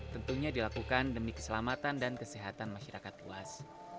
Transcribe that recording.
tentunya dilakukan demi keselamatan dan kesehatan masyarakat luas